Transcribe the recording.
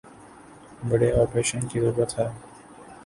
بڑے آپریشن کی ضرورت ہے